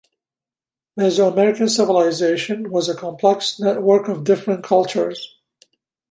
Mesoamerican civilization was a complex network of different cultures.